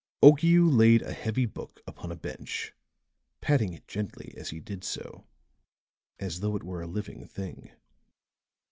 Okiu laid a heavy book upon a bench, patting it gently as he did so, as though it were a living thing.